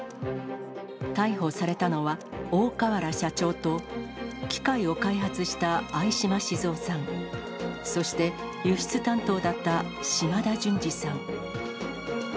逮捕されたのは、大川原社長と、機械を開発した相嶋静夫さん、そして輸出担当だった島田順司さん。